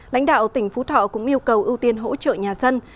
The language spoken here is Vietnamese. lãnh đạo tỉnh phú thọ cũng yêu cầu ưu tiên hỗ trợ nhà dân